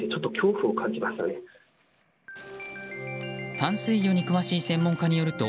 淡水魚に詳しい専門家によると